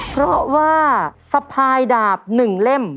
เพราะว่าสะพายดาบ๑เล่ม